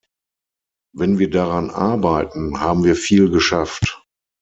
Wenn wir daran arbeiten, haben wir viel geschafft!